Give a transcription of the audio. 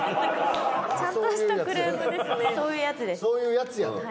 そういうやつやねん。